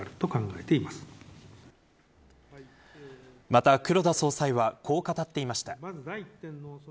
また黒田総裁はこう語っていました。